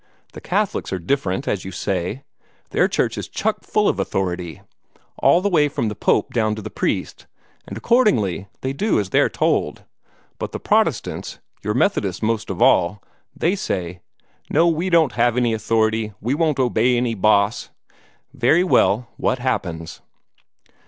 The Catholics are different, as you say. Their church is chuck full of authority all the way from the Pope down to the priest and accordingly they do as they're told. But the Protestants your Methodists most of all they say 'No, we won't have any authority, we won't obey any boss.' Very well, what happens?